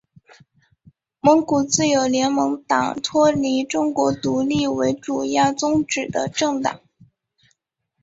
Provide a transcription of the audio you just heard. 蒙古自由联盟党脱离中国独立为主要宗旨的政党。